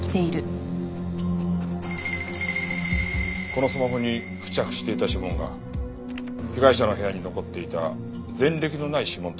このスマホに付着していた指紋が被害者の部屋に残っていた前歴のない指紋と一致しました。